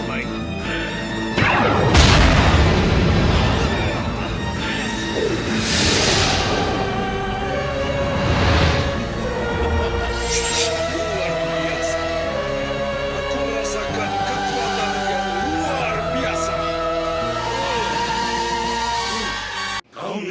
aku merindasi lo bayang